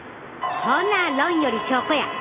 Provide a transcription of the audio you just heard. ほな「論より証拠」や！